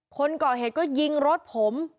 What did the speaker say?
คนก่อเหตุก็ยิงรถผม